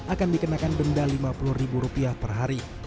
akan dikenakan denda lima puluh ribu rupiah per hari